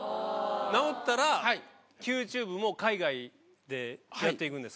治ったら「ＱＴｕｂｅ」も海外でやっていくんですか？